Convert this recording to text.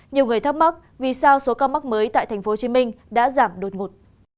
nhiều người thắc mắc vì sao số ca mắc mới tại tp hcm đã giảm đột ngột